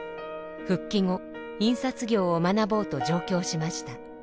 復帰後印刷業を学ぼうと上京しました。